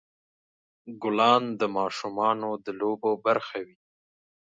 ګلان د ماشومان د لوبو برخه وي.